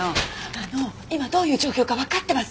あの今どういう状況かわかってます？